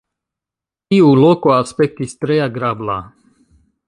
Tiu loko aspektis tre agrabla..